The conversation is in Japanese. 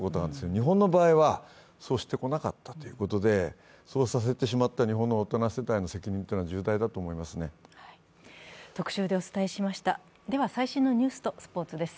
日本の場合はそうしてこなかったということで、そうさせてしまった日本の大人世代の責任は重大だと思います。